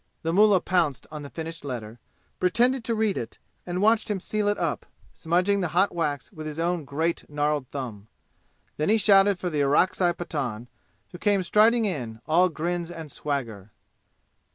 The mullah pounced on the finished letter, pretended to read it, and watched him seal it up, smudging the hot wax with his own great gnarled thumb. Then he shouted for the Orakzai Pathan, who came striding in, all grins and swagger.